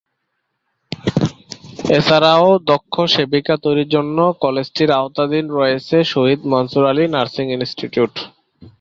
এছাড়াও দক্ষ সেবিকা তৈরির জন্য কলেজটির আওতাধীন রয়েছে শহীদ মনসুর আলী নার্সিং ইনস্টিটিউট।